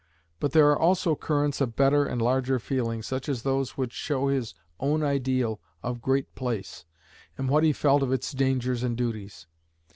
But there are also currents of better and larger feeling, such as those which show his own ideal of "Great Place," and what he felt of its dangers and duties.